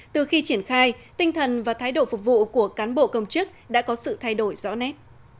từ khi triển khai tinh thần và thái độ phục vụ của cán bộ công chức đã có sự thay đổi rõ nét